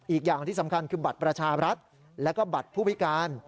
อีกอย่างที่สำคัญคือบัตรประชารัฐแล้วก็บัตรผู้พิการ